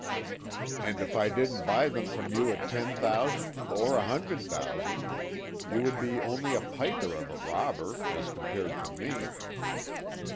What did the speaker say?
"And if I did buy them from you at ten thousand, or a hundred thousand, you would be only a piker of a robber, as compared to me."